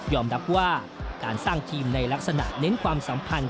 รับว่าการสร้างทีมในลักษณะเน้นความสัมพันธ์